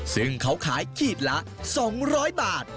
ซึ่งเขาขายขีดละ๒๐๐บาท